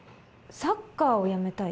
サッカーをやめたい？